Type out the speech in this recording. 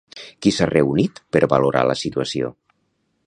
Qui s'ha reunit per valorar la situació?